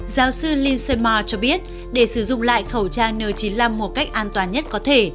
giáo sư lindsay marr cho biết để sử dụng lại khẩu trang kn chín mươi năm một cách an toàn nhất có thể